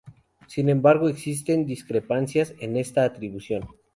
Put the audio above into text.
Sin embargo, existen discrepancias en esta atribución.